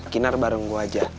kinar bareng gue aja